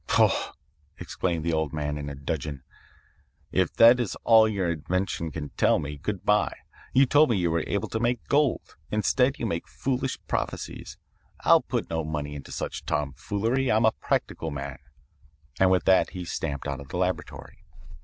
"'Pouf!' exclaimed the old man in a dudgeon, 'if that is all your invention can tell me, good bye. You told me you were able to make gold. Instead, you make foolish prophecies. I'll put no money into such tomfoolery. I'm a practical man,' and with that he stamped out of the laboratory.